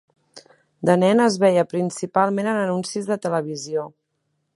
De nen, es veia principalment en anuncis de televisió.